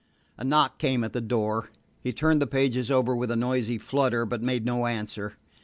A knock came at the door. He turned the pages over with a noisy flutter, but made no answer.